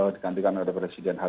dikantikan oleh presiden hgb